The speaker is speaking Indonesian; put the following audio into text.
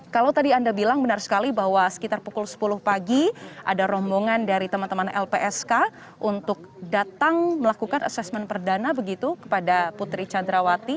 kalau tadi anda bilang benar sekali bahwa sekitar pukul sepuluh pagi ada rombongan dari teman teman lpsk untuk datang melakukan asesmen perdana begitu kepada putri candrawati